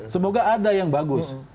semoga ada yang bagus